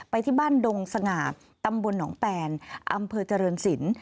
ไปที่บ้านดงสง่าตำบลหนองแปนอำเภอเจริญศิลป์